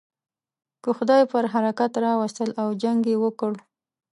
که خدای پر حرکت را وستل او جنګ یې وکړ.